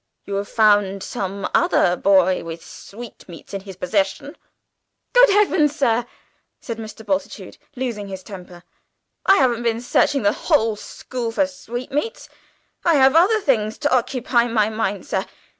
You have found some other boy with sweetmeats in his possession?" "Good Heavens, sir!" said Mr. Bultitude, losing his temper; "I haven't been searching the whole school for sweetmeats! I have other things to occupy my mind, sir.